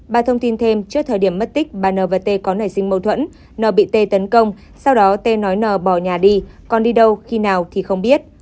bà thông tin thêm trước thời điểm mất tích bà n và t có nảy sinh mâu thuẫn n bị t tấn công sau đó t nói n bỏ nhà đi còn đi đâu khi nào thì không biết